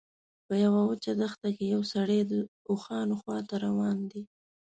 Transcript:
په یوه وچه دښته کې یو سړی د اوښانو خواته روان دی.